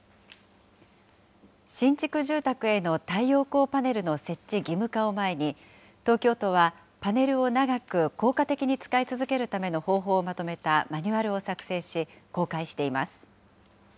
新築住宅への太陽光パネルの設置義務化を前に、東京都は、パネルを長く効果的に使い続けるための方法をまとめたマニュアルを作成し、公開しています。